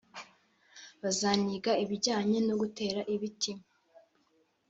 bazaniga ibijyanye no gutera ibiti